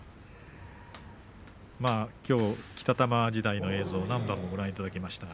きょうは北玉時代の映像を何番もご覧いただきました。